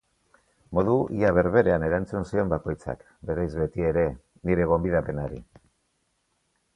Modu ia berberean erantzun zion bakoitzak, bereiz betiere, nire gonbidapenari.